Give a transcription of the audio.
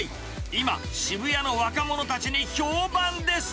今、渋谷の若者たちに評判です。